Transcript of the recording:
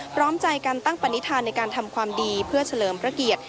พร้อมใจกันตั้งปณิธานในการทำความดีเพื่อเฉลิมพระเกียรติ